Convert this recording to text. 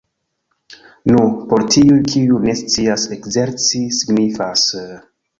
Nu, por tiuj, kiuj ne scias, ekzerci signifas--